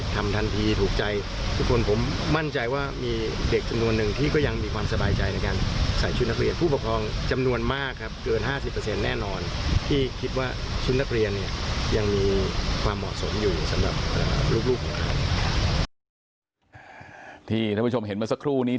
ที่นักผู้ชมเห็นมาสักครู่นี้